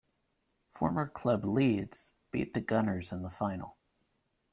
Former club Leeds beat the "Gunners" in the final.